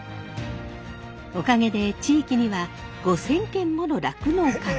おかげで地域には５，０００軒もの酪農家が。